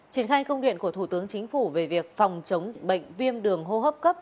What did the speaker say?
triển khai công điện của thủ tướng chính phủ về việc phòng chống bệnh viêm đường hô hấp cấp